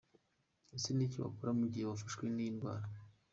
Ese ni iki wakora mu gihe wafashwe n’iyi ndwara?.